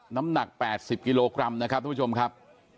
น้ำหนัก๘๐กิโลกรัมนะครับทุกผู้ชมครับ